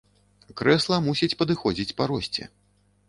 Крэсла мусіць падыходзіць па росце.